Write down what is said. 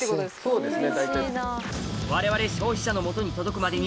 そうですね。